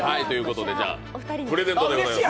プレゼントでございます。